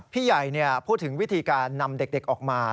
พี่ใหญ่พูดถึงวิธีการนำเด็กออกมา